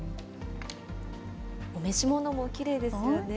お召し物もきれいですよね。